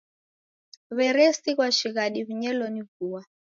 W'eresighwa shighadi w'inyelo ni vua.